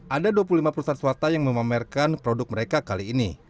ada dua puluh lima perusahaan swasta yang memamerkan produk mereka kali ini